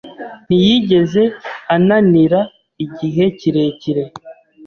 Ntiyigeze ananira igihe kirekire.